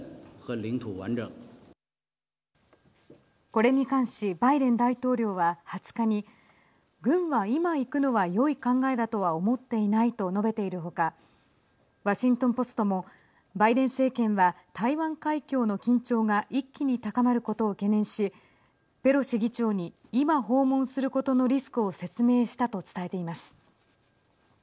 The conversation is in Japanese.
これに関し、バイデン大統領は２０日に軍は今、行くのはよい考えだと思っていないと述べているほかワシントン・ポストもバイデン政権は台湾海峡の緊張が一気に高まることを懸念しペロシ議長に今訪問することのリスクを説明したと伝えています。